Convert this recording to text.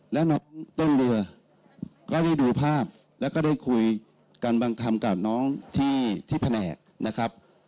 แล้วน้องต้นเรือก็ได้ดูภาพแล้วก็ได้คุยกันบางคำกับน้องที่แผนกนะครับ